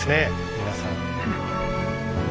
皆さん。